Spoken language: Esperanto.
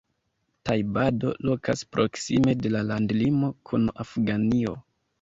Tajbado lokas proksime de la landlimo kun Afganio.